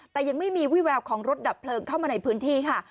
แต่ยังไม่มีวิแววของรถดับเพลิงเข้ามาในพื้นที่ค่ะ